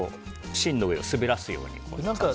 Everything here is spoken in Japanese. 手前に芯の上を滑らすように。